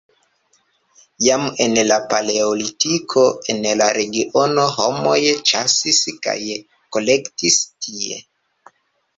Jam en la paleolitiko en la regiono homoj ĉasis kaj kolektis tie.